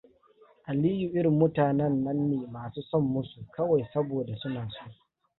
Aliyu irin mutanen nan ne masu son musu kawai saboda suna so.